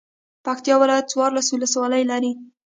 پکتيا ولايت څوارلس ولسوالۍ لري.